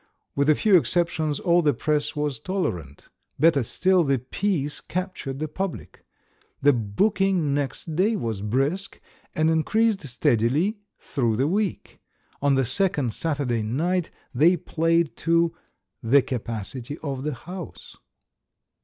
With a few exceptions, all the Press was tolerant. Better still, the piece cap tured the Public. The booking next day was brisk, and increased steadily through the week. On the second Saturday night they played to "the capacity of the house."